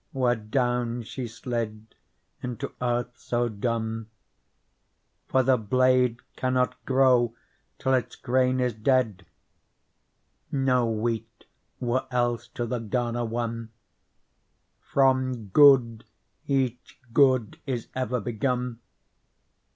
Where down she slid into earth so dun ; For the blade cannot grow till its grain is dead — No wheat were else to the garner won. From good each good is ever begun.